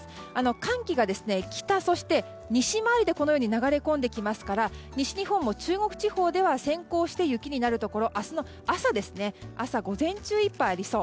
寒気が北、そして西前で流れ込んできますから西日本も中国地方では先行して雪になるところ明日の朝、午前中いっぱいはありそう。